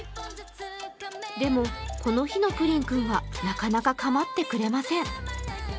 でも、この日のプリン君はなかなか構ってくれません。